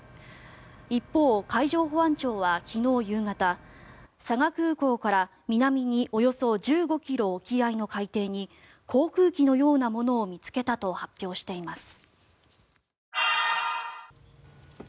一方、海上保安庁は昨日夕方佐賀空港から南におよそ１５ｋｍ沖合の海底に航空機のようなものを見つけたと発表しています。